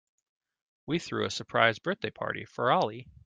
We threw a surprise birthday party for Ali.